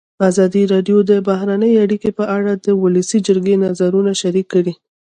ازادي راډیو د بهرنۍ اړیکې په اړه د ولسي جرګې نظرونه شریک کړي.